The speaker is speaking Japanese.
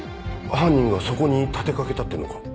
犯人がそこに立て掛けたっていうのか？